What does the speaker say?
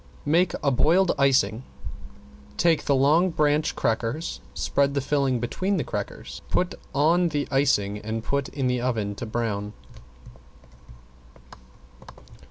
Make a boiled icing. Take the long branch crackers, spread the filling between the crackers, put on the icing, and put in the oven to brown.